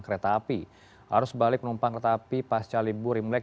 harus balik penumpang kereta api pasca libur imlek